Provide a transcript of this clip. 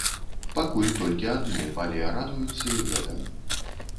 Пакуль толькі адну, але радуюцца і гэтаму.